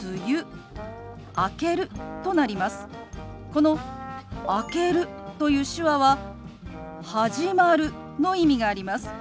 この「明ける」という手話は「始まる」の意味があります。